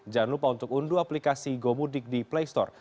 jangan lupa untuk unduh aplikasi gomudik com